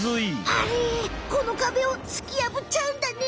あれこのかべをつきやぶっちゃうんだね。